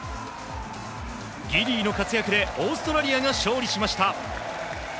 ギディーの活躍でオーストラリアが勝利しました。